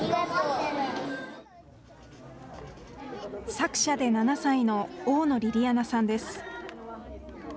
作者で７歳の大野りりあなさんです。